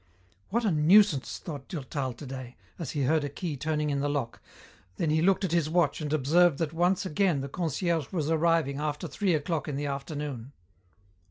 "What a nuisance!" thought Durtal today, as he heard a key turning in the lock, then he looked at his watch and observed that once again the concierge was arriving after three o'clock in the afternoon.